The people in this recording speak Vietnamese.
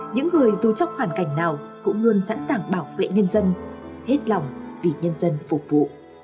những người dù trong hoàn cảnh nào cũng luôn sẵn sàng bảo vệ nhân dân hết lòng vì nhân dân phục vụ